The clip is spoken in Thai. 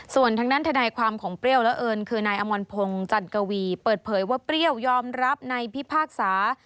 ส่วนทางด้านทนายความของเปรี้ยวและเอิญคือนายอมรพงศ์จันกวีเปิดเผยว่าเปรี้ยวยอมรับในพิพากษา